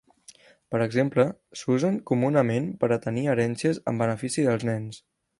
Per exemple, s'usen comunament per a tenir herències en benefici dels nens.